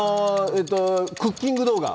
クッキング動画。